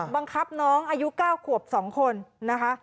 บังคับน้องอายุ๙ขวบ๒คนนะคะ